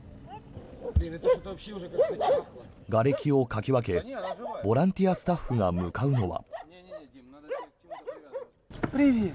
がれきをかき分けボランティアスタッフが向かうのは。